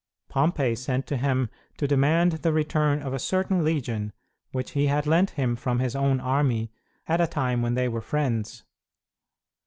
Pompey sent to him to demand the return of a certain legion which he had lent him from his own army at a time when they were friends.